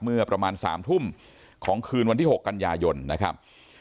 เมื่อประมาณ๓ทุ่มของคืนวันที่๖กันยายนนะครับ